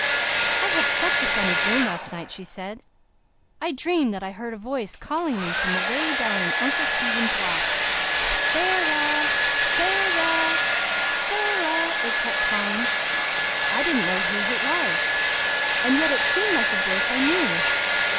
"I had such a funny dream last night," she said. "I dreamed that I heard a voice calling me from away down in Uncle Stephen's Walk 'Sara, Sara, Sara,' it kept calling. I didn't know whose it was, and yet it seemed like a voice I knew.